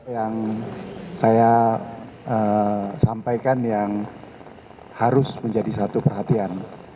yang saya sampaikan yang harus menjadi satu perhatian